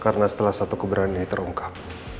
karena setelah satu kebenaran ini terungkap